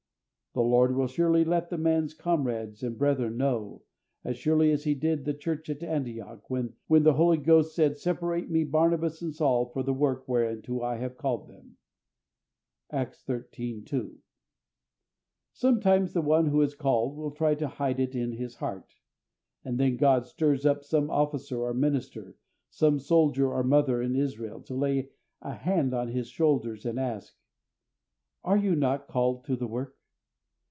The Lord will surely let the man's comrades and brethren know, as surely as He did the Church at Antioch, when "the Holy Ghost said, Separate Me Barnabas and Saul for the work whereunto I have called them" (Acts xiii. 2). Sometimes the one who is called will try to hide it in his heart, and then God stirs up some Officer or minister, some Soldier or mother in Israel, to lay a hand on his shoulders, and ask, "Are you not called to the work?"